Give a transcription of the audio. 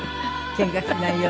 ケンカしないように。